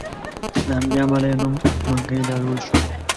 له همدې امله یې نوم منګی لالو شو.